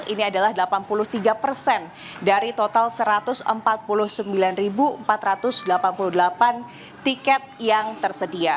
ini adalah delapan puluh tiga persen dari total satu ratus empat puluh sembilan empat ratus delapan puluh delapan tiket yang tersedia